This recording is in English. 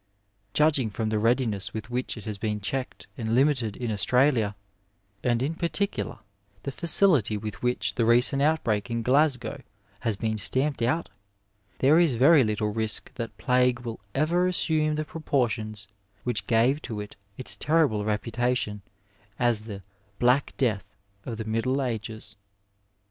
Judging from the readiness with which it has been checked and limited in Australia, and in particular the facility with which the re^^nt out break in Glasgow has been stamped out, there is very little risk that plague will ever assume the proportions which gave to it its terrible reputation as the ^' black death'' of the Middle Ages.